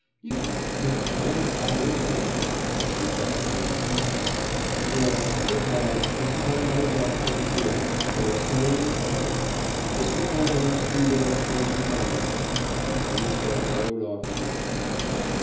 'Yes, Mihailo Mihailitch Lezhnyov,' replied Volintsev. 'Well, good bye; it's time I was off to the field; they are sowing your buckwheat. Mr. Pandalevsky will escort you home.' And Volintsev rode off at a trot.